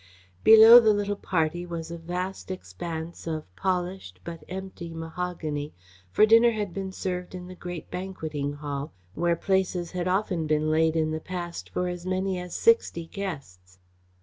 Below the little party was a vast expanse of polished but empty mahogany, for dinner had been served in the great banquetting hall where places had often been laid in the past for as many as sixty guests.